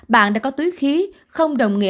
bạn đã có túi khí không đồng nghĩa